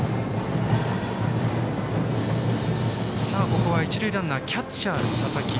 ここは一塁ランナーキャッチャーの佐々木。